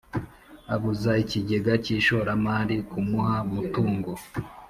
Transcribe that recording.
abuza ikigega cy ishoramari kumuha mutungo